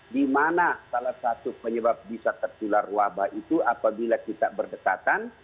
di mana salah satu penyebab bisa tertular wabah itu apabila kita berdekatan